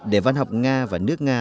để văn học nga và nước nga